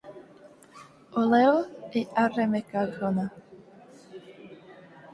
O Leo i Arremecághona!!!